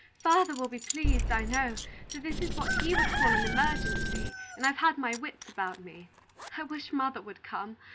"Father will be pleased, I know; for this is what he would call an emergency, and I've had my wits about me. I wish mother would come.